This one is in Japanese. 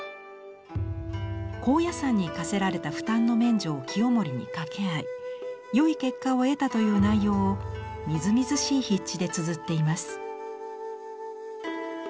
高野山に課せられた負担の免除を清盛に掛け合い良い結果を得たという内容をみずみずしい筆致でつづっています。